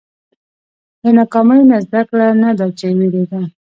• له ناکامیو نه زده کړه، نه دا چې وېرېږه.